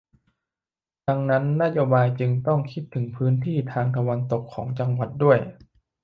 ดังนั้นนโยบายจึงต้องคิดถึงพื้นที่ทางตะวันตกของจังหวัดด้วย